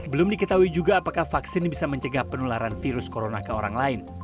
belum diketahui juga apakah vaksin ini bisa mencegah penularan virus corona ke orang lain